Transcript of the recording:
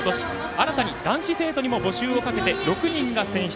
新たに男子生徒にも募集をかけて６人が選出。